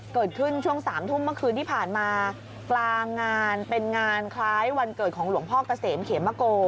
เกิดขึ้นช่วงสามทุ่มเมื่อคืนที่ผ่านมากลางงานเป็นงานคล้ายวันเกิดของหลวงพ่อเกษมเขมโก